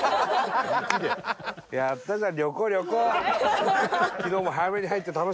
やったじゃん。